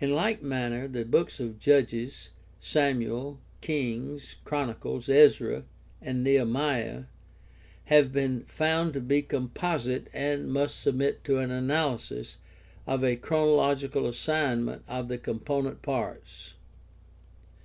In like manner the Books of Judges, Samuel, Kings, Chronicles, Ezra, and Nehemiah have been found to be composite and must submit to an analysis and a chronological assignment of the com ponent parts.